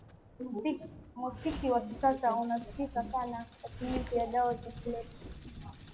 Muziki wa kisasa unakazia sana matumizi ya dawa za kulevya